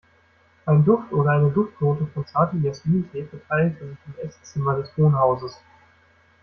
Ein Duft oder eine Duftnote von zartem Jasmintee verteilte sich im Esszimmer des Wohnhauses.